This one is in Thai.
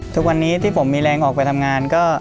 ทุกวันนี้ที่ผมมีแรงออกไปทำงานก็